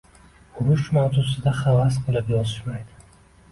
Urush mavzusida havas qilib yozishmaydi